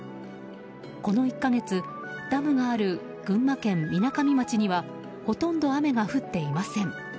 この１か月、ダムがある群馬県みなかみ町にはほとんど雨が降っていません。